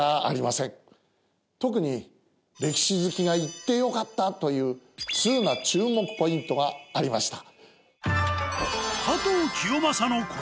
特に歴史好きが行って良かったというツウな注目ポイントがありました。